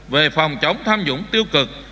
về phòng chống tham nhũng tiêu cực